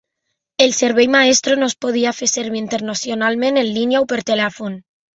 El servei Maestro no es podia fer servir internacionalment en línia o per telèfon.